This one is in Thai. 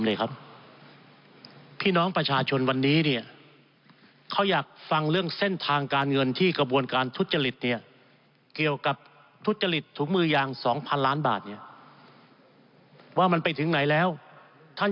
จะอภิปรายชี้แจงควรให้อยู่ในประเด็นการทุจริตถุงมือยางอฟังเสียงสองข้าง